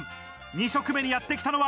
二食目にやってきたのは。